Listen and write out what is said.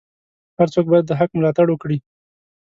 هر څوک باید د حق ملاتړ وکړي.